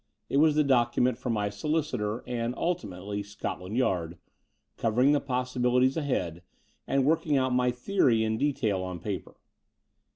It was the dociunent for my solicitor and, ultinaately, Scotland Yard, covering the possi bilities ahead and working out my theory in detail on paper.